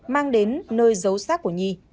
mang đến nơi giấu xác của nhi